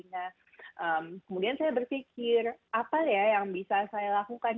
nah kemudian saya berpikir apa ya yang bisa saya lakukan